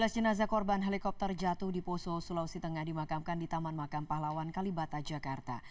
tiga belas jenazah korban helikopter jatuh di poso sulawesi tengah dimakamkan di taman makam pahlawan kalibata jakarta